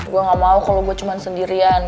gue nggak mau kalo gue cuman sendirian